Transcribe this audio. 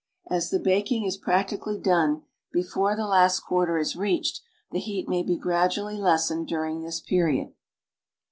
As the baking is practically done before the last quarter is reached, the heat may be gradually lessened during this period.